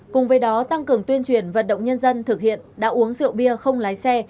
cùng với đó tăng cường tuyên truyền vận động nhân dân thực hiện đã uống rượu bia không lái xe